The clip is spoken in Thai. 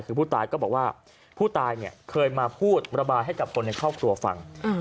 คือผู้ตายก็บอกว่าผู้ตายเนี่ยเคยมาพูดระบายให้กับคนในครอบครัวฟัง